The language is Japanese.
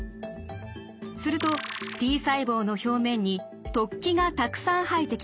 するとＴ細胞の表面に突起がたくさん生えてきます。